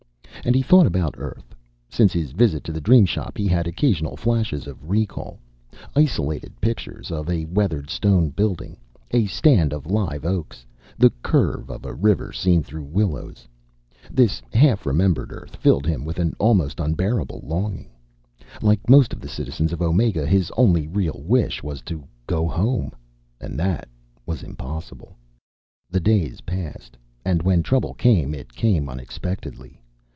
And he thought about Earth. Since his visit to the Dream Shop, he had occasional flashes of recall, isolated pictures of a weathered stone building, a stand of live oaks, the curve of a river seen through willows. This half remembered Earth filled him with an almost unbearable longing. Like most of the citizens of Omega, his only real wish was to go home. And that was impossible. The days passed, and when trouble came, it came unexpectedly.